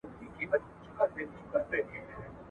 موږ ټول کولی شو داسې نوښت وکړو.